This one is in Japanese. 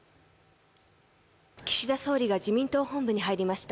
岸田総理が自民党本部に入りました。